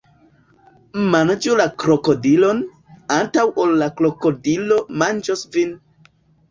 Manĝu la krokodilon, antaŭ ol la krokodilo manĝos vin!